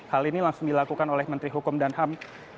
hal ini langsung dilakukan oleh menteri hukum dan ham